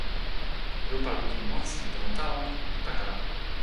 lupa lukin monsi pi tomo tawa mi li pakala.